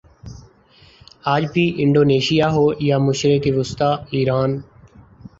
آج بھی انڈونیشیا ہو یا مشرق وسطی ایران